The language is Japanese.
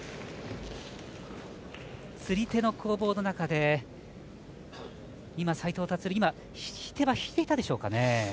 釣り手の攻防の中で今、斉藤立引き手は引いていたでしょうかね。